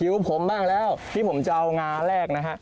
ผมบ้างแล้วที่ผมจะเอางาแรกนะฮะ